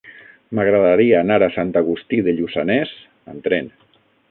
M'agradaria anar a Sant Agustí de Lluçanès amb tren.